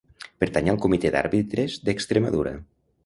Pertany al Comitè d'Àrbitres d'Extremadura.